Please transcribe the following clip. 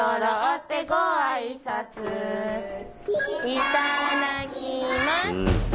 いただきます。